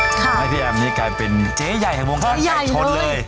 ทำให้พี่อ๋ำนี่กลายเป็นเจ๊ใหญ่ถึงโบราณมากเกิดเลย